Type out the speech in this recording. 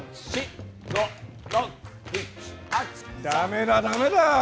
ダメだダメだ。